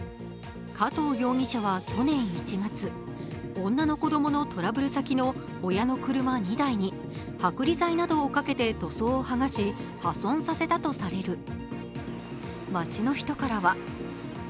加藤容疑者は去年１月、女の子供のトラブル先の親の車２台に剥離剤などをかけて塗装を剥がし破損させたとされる。